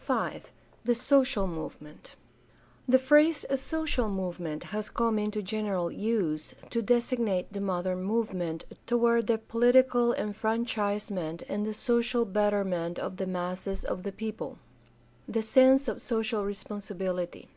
V. THE SOCIAL MOVEMENT The phrase "social movement'' has come into general use to designate the modern movement toward the political THE DEVELOPMENT OF MODERN CHRISTIANITY 467 enfranchisement and the social betterment of the masses of the people. The sense of social responsibility.